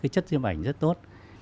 chất diễn ảnh rất tốt